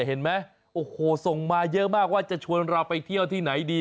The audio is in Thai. เห็นไหมโอ้โหส่งมาเยอะมากว่าจะชวนเราไปเที่ยวที่ไหนดี